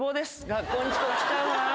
学校に遅刻しちゃうわ。